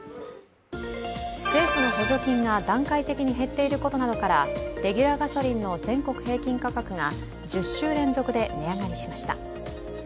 政府の補助金が段階的に減っていることからレギュラーガソリンの全国平均価格が１０週連続で値上がりしました。